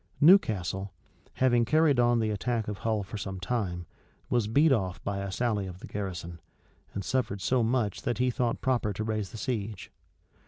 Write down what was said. [*] Newcastle, having carried on the attack of Hull for some time, was beat off by a sally of the garrison, and suffered so much that he thought proper to raise the siege.